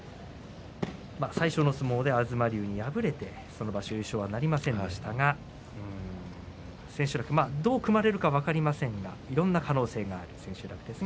最初の相撲で東龍に敗れてその場所の優勝はなりませんでしたが千秋楽どう組まれるかは分かりませんがいろいろな可能性があります。